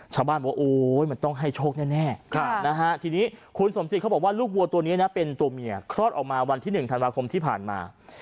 ชาวบ้านบอกโอ๊ยมันต้องให้โชคแน่ทีนี้คุณสมจิตเขาบอกว่าลูกวัวตัวนี้นะเป็นตัวเมียคลอดออกมาวันที่๑ธันวาคมที่ผ่านมา